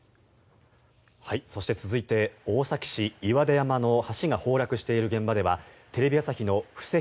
そして続いて大崎市岩出山の橋が崩落している現場ではテレビ朝日の布施宏